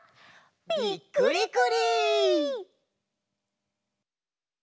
びっくりくり！